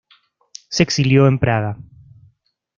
Se exilió en Praga.